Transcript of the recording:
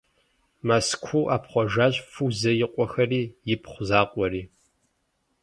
Мэзкуу ӏэпхъуэжащ Фузэ и къуэхэри, ипхъу закъуэри.